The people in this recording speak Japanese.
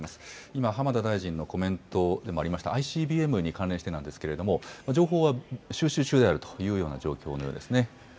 今、浜田大臣のコメントにもありました、ＩＣＢＭに関連してなんですけれども、情報は収集中であるというような状況のようですね。